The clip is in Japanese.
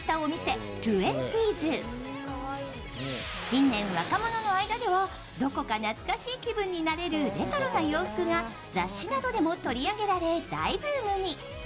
近年、若者の間ではどこか懐かしい気分になれるレトロな洋服が雑誌などでも取り上げられ大ブームに。